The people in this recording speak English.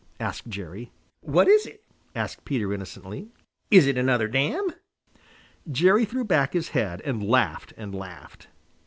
asked Jerry. "What is it?" asked Peter innocently. "Is it another dam?" Jerry threw back his head and laughed and laughed.